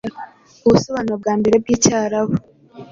Ubusobanuro bwa mbere bwicyarabu